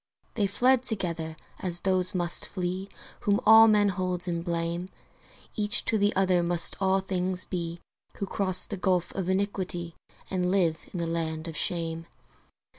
They fled together, as those must flee Whom all men hold in blame; Each to the other must all things be Who cross the gulf of iniquity And live in the land of shame.